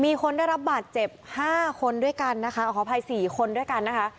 มีคนได้รับบาดเจ็บ๕คนด้วยกันนะคะขออภัยสี่คนด้วยกันนะคะ